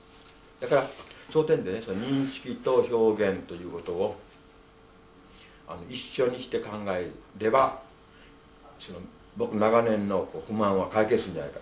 だからその点でね認識と表現ということを一緒にして考えれば僕長年の不満は解決するんじゃないか。